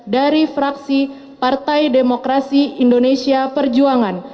dari fraksi partai demokrasi indonesia perjuangan